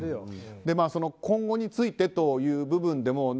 今後についてという部分でも。